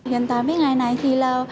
hiện tại với ngày này thì là